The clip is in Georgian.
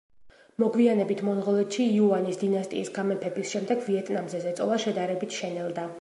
მოგვიანებით, მონღოლეთში იუანის დინასტიის გამეფების შემდეგ ვიეტნამზე ზეწოლა შედარებით შენელდა.